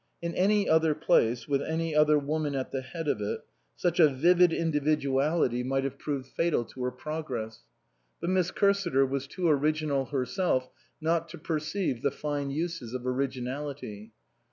In any other place, with any other woman at the head of it, such a vivid individuality might 219 SUPERSEDED have proved fatal to her progress. But Miss Cursiter was too original herself not to per ceive the fine uses of originality.